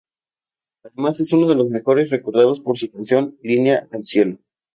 Además es uno de los mejores recordados por su canción "Línea al cielo".